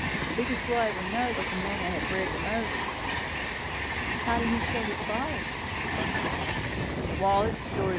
The biggest fool I ever knowed, was the man that had read the most." "How did he show his folly?" Mrs. Barclay asked. "Wall, it's a story.